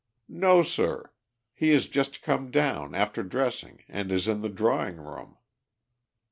"No, sir. He has just come down, after dressing, and is in the drawing room.